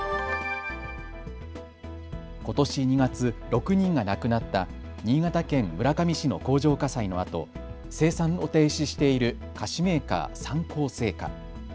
ことし２月、６人が亡くなった新潟県村上市の工場火災のあと生産を停止している菓子メーカー、三幸製菓。